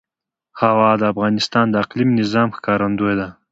هوا د افغانستان د اقلیمي نظام ښکارندوی ده.